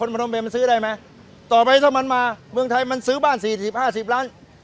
พนมเมนมันซื้อได้ไหมต่อไปถ้ามันมาเมืองไทยมันซื้อบ้านสี่สิบห้าสิบล้าน